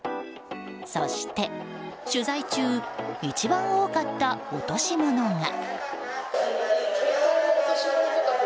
そして、取材中一番多かった落とし物が。